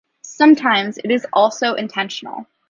Sometimes it is also intentional.